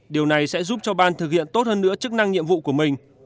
điều này sẽ giúp cho ban thực hiện tốt hơn nữa chức năng nhiệm vụ của mình